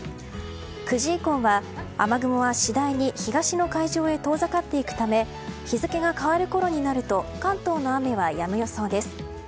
９時以降は雨雲は次第に東の海上へ遠ざかっていくため日付が変わるころになると関東の雨はやむ予想です。